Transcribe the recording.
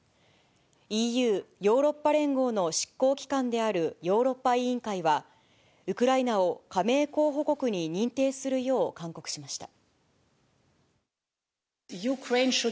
ＥＵ・ヨーロッパ連合の執行機関であるヨーロッパ委員会は、ウクライナを加盟候補国に認定するよう勧告しました。